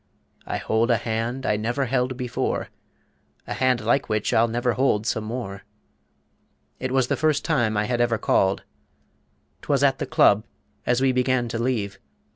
I hold a hand I never held before, A hand like which I'll never hold some more. It was the first time I had ever "called." 'Twas at the club, as we began to leave.